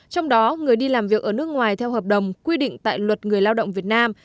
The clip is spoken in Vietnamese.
trong đó người đi làm việc ở nước ngoài theo hợp đồng quy định tại luật người lao động việt nam